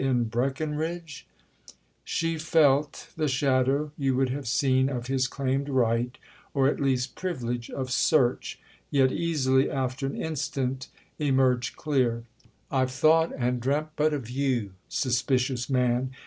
—in 'Breckenridge'?" She felt the shadow, you would have seen, of his claimed right, or at least privilege, of search—yet easily, after an instant, emerged clear. "I've thought and dreamt but of you—suspicious man!